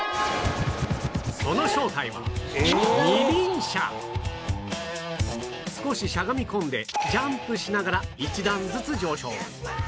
その正体は少ししゃがみ込んでジャンプしながら１段ずつ上昇